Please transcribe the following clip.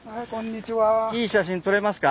いい写真撮れますか？